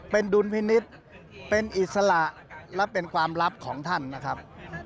เป็นดุลพินิษฐ์เป็นอิสระและเป็นความลับของท่านนะครับ